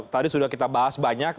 tadi sudah kita bahas banyak